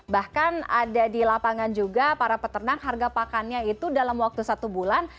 bahkan ada di lapangan juga para peternak harga pakannya itu dalam waktu satu bulan